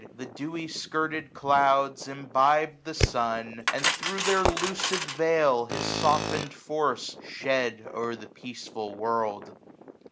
The dewy skirted clouds imbibe the sun. And thro* their lucid veil his softened force 960 Shed o'er the peaceful world.